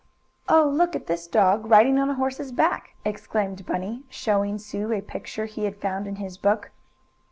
"Oh, look at this dog, riding on a horse's back!" exclaimed Bunny, showing Sue a picture he had found in his book.